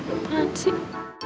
eh apaan sih